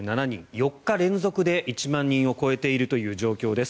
４日連続で１万人を超えている状況です。